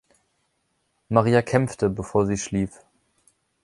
Maria kämpfte, bevor sie schlief.